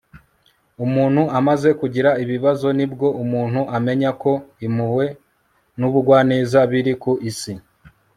umuntu amaze kugira ibibazo ni bwo umuntu amenya ko impuhwe n'ubugwaneza biri ku isi